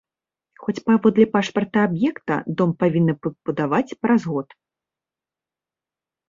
Хоць, паводле пашпарта аб'екта, дом павінны пабудаваць праз год.